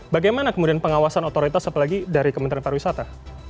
bagaimana kemudian pengawasan otoritas apalagi dari kementerian pariwisata